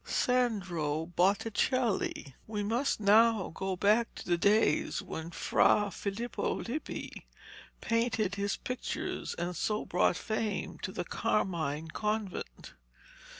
SANDRO BOTTICELLI We must now go back to the days when Fra Filippo Lippi painted his pictures and so brought fame to the Carmine Convent.